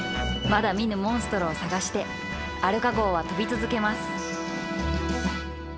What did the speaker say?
まだ見ぬモンストロを探してアルカ号は飛び続けます